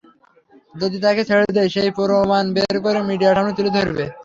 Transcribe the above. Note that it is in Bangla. যদি তাকে ছেড়ে দেই, সে প্রমাণ বের করে মিডিয়ার সামনে তুলে ধরবে।